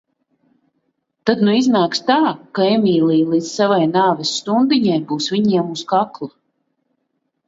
Tad nu iznāks tā, ka Emīlija līdz savai nāves stundiņai būs viņiem uz kakla.